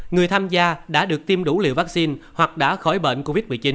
người tham gia đã được tiêm đủ liều vaccine hoặc đã khỏi bệnh covid một mươi chín